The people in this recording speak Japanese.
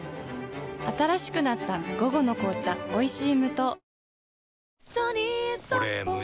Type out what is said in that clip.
新しくなった「午後の紅茶おいしい無糖」